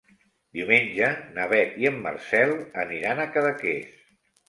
Diumenge na Beth i en Marcel aniran a Cadaqués.